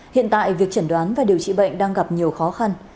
hiện tại việc chẩn đoán và điều trị bệnh đang gặp nhiều khó khăn